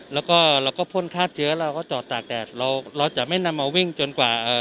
แล้วก็เราก็พ่นฆ่าเชื้อเราก็จอดตากแดดเราเราจะไม่นำมาวิ่งจนกว่าเอ่อ